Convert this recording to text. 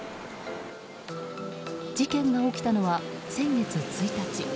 事件が起きたのは先月１日。